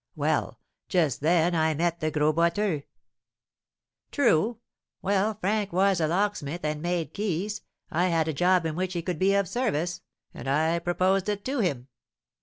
Well, just then I met the Gros Boiteux." "True. Well, Frank was a locksmith and made keys, I had a job in which he could be of service, and I proposed it to him.